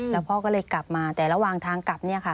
แล้วพ่อก็เลยกลับมาแต่ระหว่างทางกลับเนี่ยค่ะ